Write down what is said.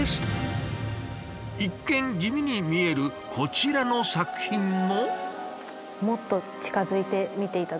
一見地味に見えるこちらの作品も。